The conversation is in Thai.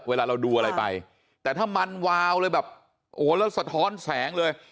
เวลาเราดูอะไรไปแต่ถ้ามันวาวเลยแบบโอ้แล้วสะท้อนแสงเลย